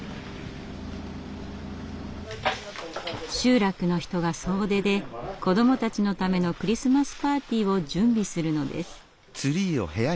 集落の人が総出で子どもたちのためのクリスマスパーティーを準備するのです。